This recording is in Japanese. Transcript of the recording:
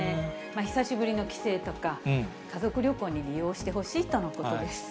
久しぶりの帰省とか、家族旅行に利用してほしいとのことです。